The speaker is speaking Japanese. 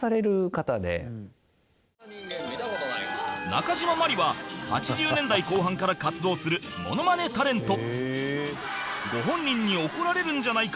なかじままりは８０年代後半から活動するモノマネタレント